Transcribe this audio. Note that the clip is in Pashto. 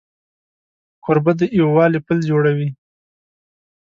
کوربه د یووالي پل جوړوي.